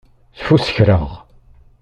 Sfuskreɣ.